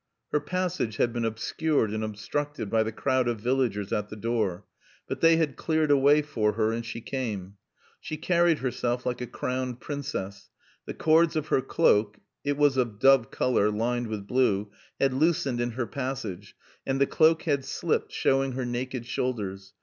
Her passage had been obscured and obstructed by the crowd of villagers at the door. But they had cleared a way for her and she came. She carried herself like a crowned princess. The cords of her cloak (it was of dove color, lined with blue) had loosened in her passage, and the cloak had slipped, showing her naked shoulders.